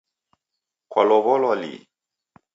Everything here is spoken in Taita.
Kwalow'olwa lihi?